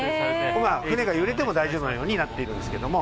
船が揺れても大丈夫なようになってるんですけども。